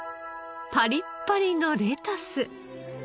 パリッパリのレタス！